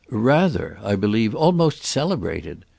"Rather, I believe; almost celebrated."